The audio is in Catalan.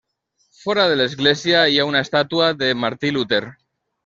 Fora de l'església hi ha una estàtua de Martí Luter.